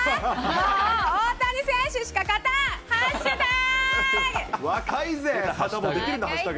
もう大谷選手しか勝たん、ハッシュタグ。